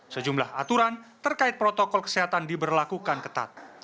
sejumlah aturan terkait protokol kesehatan diberlakukan ketat